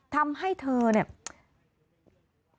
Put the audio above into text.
ทำให้เธอเนี่ย